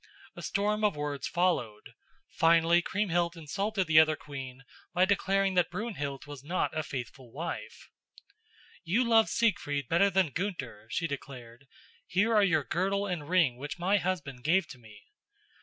A storm of words followed. Finally Kriemhild insulted the other queen by declaring that Brunhild was not a faithful wife. "You loved Siegfried better than Gunther," she declared. "Here are your girdle and ring which my husband gave to me."